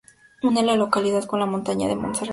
Une la localidad con la montaña de Montserrat.